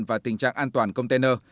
và tình trạng an toàn container